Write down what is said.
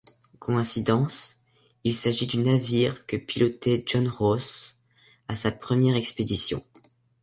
Coïncidence, il s'agit du navire que pilotait John Ross à sa première expédition.